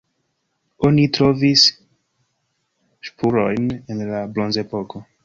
Oni trovis spurojn el la bronzepoko.